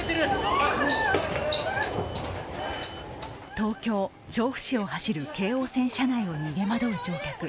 東京・調布市を走る京王線車内を逃げ惑う乗客。